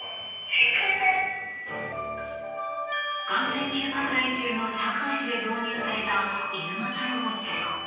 感染急拡大中の上海市で導入された犬型ロボット。